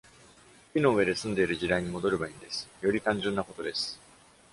木の上で住んでいる時代に戻ればいいんです。より単純なことです。